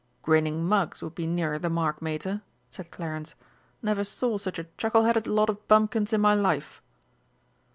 "Grinning mugs would be nearer the mark, Mater," said Clarence; "never saw such a chuckle headed lot of bumpkins in my life!"